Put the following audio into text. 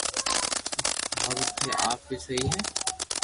ھارو تي آپ ھي سھي ھي